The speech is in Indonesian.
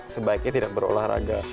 sebaiknya tidak berolahraga